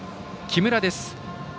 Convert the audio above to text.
木村です。